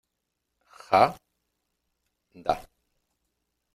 ja? da.